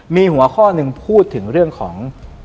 มีหัวข้อหนึ่งพูดถึงเรื่องของ